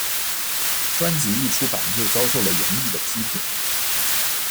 专辑一出版就遭受了严厉的批评。